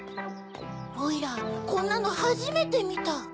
おいらこんなのはじめてみた。